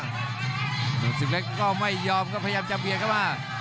ธนูสึกเล็กก็ไม่ยอมก็พยายามจับเบียง